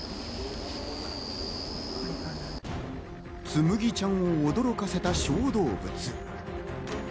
つむぎちゃんを驚かせた小動物。